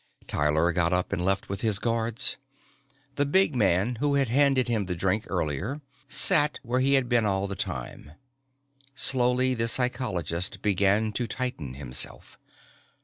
Tyler got up and left with his guards. The big man who had handed him the drink earlier sat where he had been all the time. Slowly the psychologist began to tighten himself.